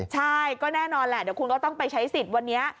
ใช่ก็แน่นอนแหละเดี๋ยวคุณก็ต้องไปใช้สิทธิ์วันนี้